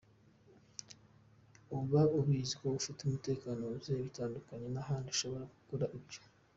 uba ubizi ko ufite umutekano wuzuye bitandukanye n’ahandi ushobora gukora ibyo